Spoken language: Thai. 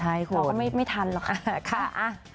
เราก็ไม่ทันหรอกค่ะ